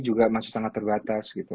juga masih sangat terbatas gitu